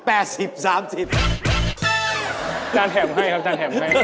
อาจารย์แถมให้ครับ